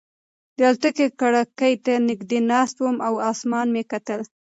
د الوتکې کړکۍ ته نږدې ناست وم او اسمان مې کتل.